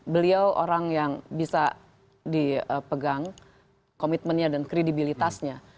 beliau orang yang bisa dipegang komitmennya dan kredibilitasnya